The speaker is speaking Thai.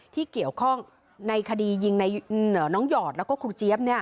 ที่เกี่ยวข้องในคดียิงในน้องหยอดแล้วก็ครูเจี๊ยบ